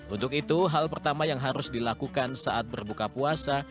untuk itu hal pertama yang harus dilakukan saat berbuka puasa